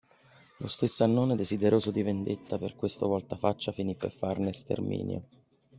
Lo stesso Annone, desideroso di vendetta per questo voltafaccia, finì per farne sterminio.